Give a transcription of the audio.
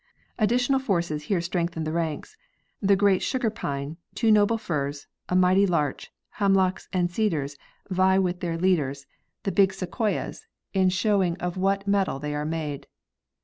Additional forces here strengthen the ranks, the great sugar pine, two noble firs, a mighty larch, hemlocks and cedars vie with their leaders, the The Flora of the Pacifie Coast. 141 big sequoias, in showing of what metal they are made.